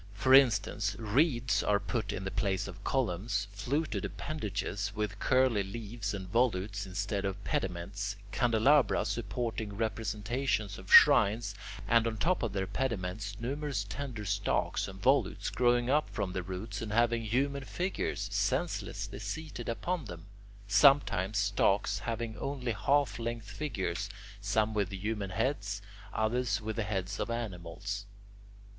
For instance, reeds are put in the place of columns, fluted appendages with curly leaves and volutes, instead of pediments, candelabra supporting representations of shrines, and on top of their pediments numerous tender stalks and volutes growing up from the roots and having human figures senselessly seated upon them; sometimes stalks having only half length figures, some with human heads, others with the heads of animals.